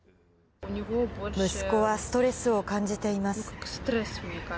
息子はストレスを感じています。